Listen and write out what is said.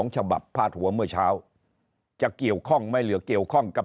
ฉบับพาดหัวเมื่อเช้าจะเกี่ยวข้องไม่เหลือเกี่ยวข้องกับ